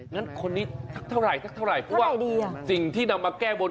งั้นคนนี้สักเท่าไหร่เพราะว่าสิ่งที่นำมาแก้บน